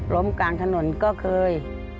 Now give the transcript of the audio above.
กลางถนนก็เคย